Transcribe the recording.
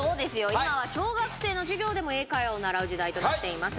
今は小学生の授業でも英会話を習う時代となっています